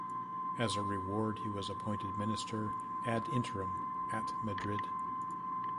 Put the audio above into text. As a reward he was appointed minister "ad interim" at Madrid.